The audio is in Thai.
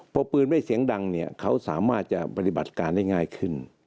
พอปืนไม่เสียงดังเนี่ยเขาสามารถจะปฏิบัติการได้ง่ายขึ้น